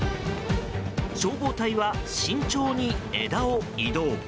消防隊は慎重に枝を移動。